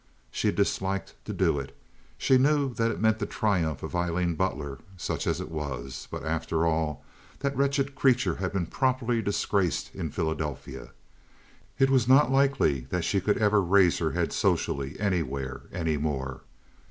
She disliked to do it. She knew that it meant the triumph of Aileen Butler, such as it was. But, after all, that wretched creature had been properly disgraced in Philadelphia. It was not likely she could ever raise her head socially anywhere any more.